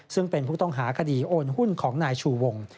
ซึ่งเป็นผู้ต้องหาคดีโอนหุ้นของนายชูวง